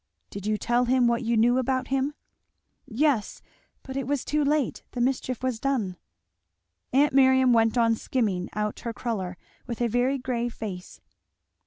"Did you tell him what you knew about him?" "Yes, but it was too late the mischief was done." Aunt Miriam went on skimming out her cruller with a very grave face.